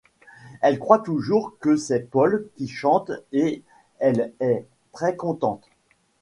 Elle croit toujours que c’est Paul qui chante et elle est très contente.